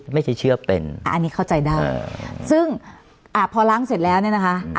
ไม่ใช่เชื่อเป็นอันนี้เข้าใจได้ซึ่งอ่าพอล้างเสร็จแล้วเนี่ยนะคะ